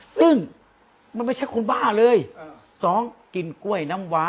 ซึ่งไม่ใช่คนบ้าเลย๒กินกล้วยน้ำว๊า